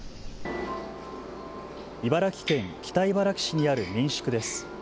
茨城県北茨城市にある民宿です。